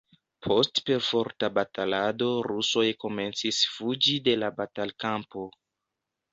Post perforta batalado rusoj komencis fuĝi de la batalkampo.